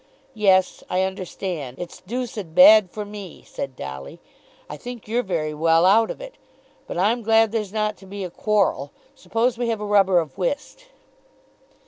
"Yes; I understand. It's deuced bad for me," said Dolly. "I think you're very well out of it. But I'm glad there's not to be a quarrel. Suppose we have a rubber of whist."